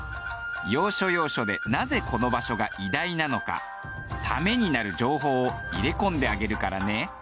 要所要所でなぜこの場所が偉大なのかためになる情報を入れ込んであげるからね。